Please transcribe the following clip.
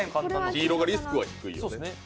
黄色がリスクが低いよね。